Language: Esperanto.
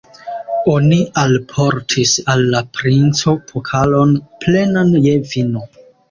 Oni alportis al la princo pokalon, plenan je vino.